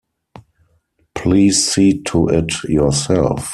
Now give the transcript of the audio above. Please see to it yourself.